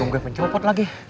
jadinya mencobot lagi